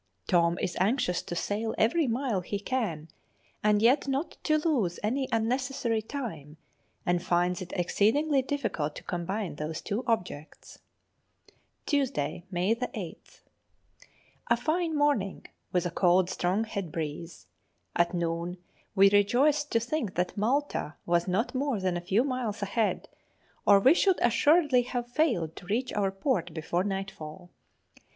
Tom is anxious to sail every mile he can, and yet not to lose any unnecessary time, and finds it exceedingly difficult to combine these two objects. Tuesday, May 8th. A fine morning, with a cold strong head breeze. At noon we rejoiced to think that Malta was not more than a few miles ahead, or we should assuredly have failed to reach our port before nightfall.